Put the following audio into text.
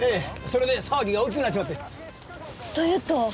それで騒ぎが大きくなっちまって。というと？